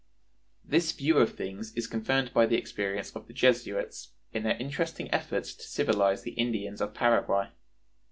This view of things is confirmed by the experience of the Jesuits, in their interesting efforts to civilize the Indians of Paraguay.